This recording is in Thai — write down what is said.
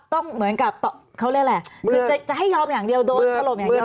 ต้องเหมือนกับเขาเรียกอะไรคือจะให้ยอมอย่างเดียวโดนถล่มอย่างเดียว